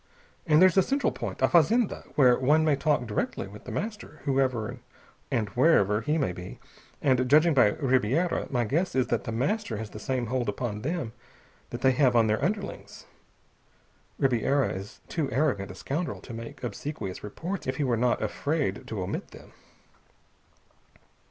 And there's a central point, a fazenda, where one may talk direct with The Master, whoever and wherever he may be. And judging by Ribiera my guess is that The Master has the same hold upon them that they have on their underlings. Ribiera is too arrogant a scoundrel to make obsequious reports if he were not afraid to omit them."